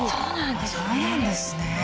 そうなんですね